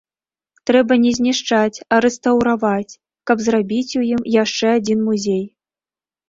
Трэба не знішчаць, а рэстаўраваць, каб зрабіць у ім яшчэ адзін музей.